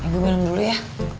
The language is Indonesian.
gue minum dulu ya